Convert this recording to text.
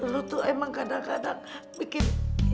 lu tuh emang kadang kadang bikin